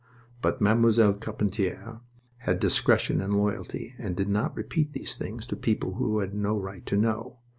But Mademoiselle Carpentier had discretion and loyalty and did not repeat these things to people who had no right to know.